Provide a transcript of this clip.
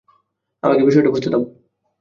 আমাকে বিষয়টা বুঝতে দাও।